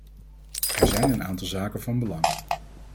Er zijn een aantal zaken van belang.